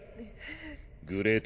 グレート・